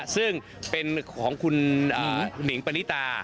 ซึ่งเป็นของคุณหนิงปณิตา